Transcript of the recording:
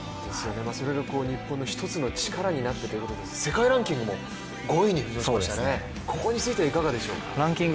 それが日本の１つの力になったということで、世界ランキングも５位に浮上しましたね、ここについてはいかがでしょう。